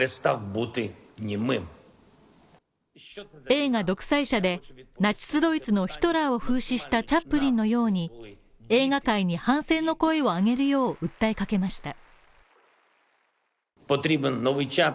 映画「独裁者」でナチス・ドイツのヒトラーを風刺したチャップリンのように、映画界に反戦の声を上げるよう訴えかけました。